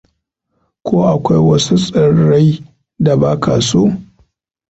Ko akwai wasu tsirrai da baka so?